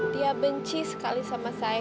dia benci sekali sama saya